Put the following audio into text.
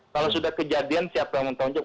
kalau sudah kejadian siapa yang mentonjok